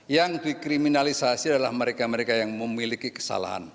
yang dikriminalisasi adalah mereka mereka yang memiliki kesalahan